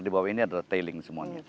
di bawah ini adalah tailing semuanya